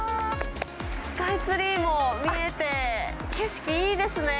スカイツリーも見えて、景色いいですね。